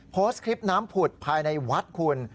โพสต์คลิปน้ำผุดภายในวัดคุณ